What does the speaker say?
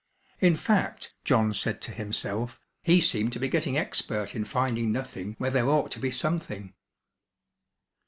In fact, John said to himself, he seemed to be getting expert in finding nothing where there ought to be something.